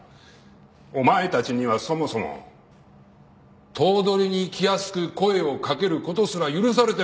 お前たちにはそもそも頭取に気安く声をかける事すら許されてないんだ。